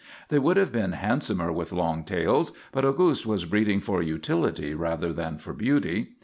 They would have been handsomer with long tails, but Auguste was breeding for utility rather than for beauty.